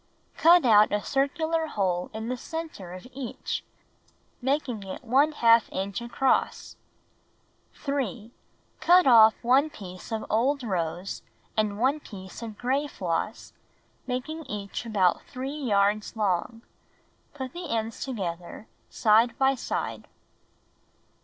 Cut out a circular hole in the center of each, making it f ^ inch across. Willd Witk 3. Cut off 1 piece of old rose and 1 piece of gray floss, making P|/ri| (a (^ each about 3 yards long. Put the ends together, side by side.